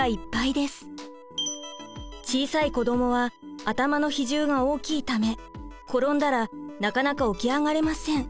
小さい子どもは頭の比重が大きいため転んだらなかなか起き上がれません。